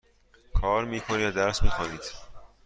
کار می کنید یا درس می خوانید؟